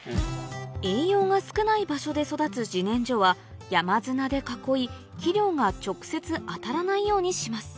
栄養が少ない場所で育つ自然薯は山砂で囲い肥料が直接当たらないようにします